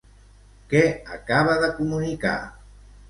Què acaba de comunicar?